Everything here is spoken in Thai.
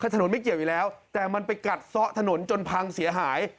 ถนนไม่เกี่ยวอยู่แล้วแต่มันไปกัดซ่อถนนจนพังเสียหาย